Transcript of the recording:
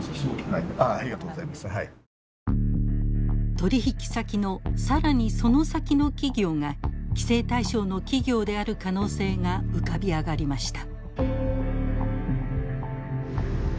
取引先の更にその先の企業が規制対象の企業である可能性が浮かび上がりました。